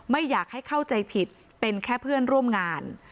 ไม่อยากให้เข้าใจผิดเป็นแค่เพื่อนร่วมงาน